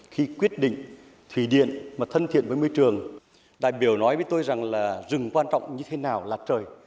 khi quyết định thủy điện mà thân thiện với môi trường đại biểu nói với tôi rằng là rừng quan trọng như thế nào là trời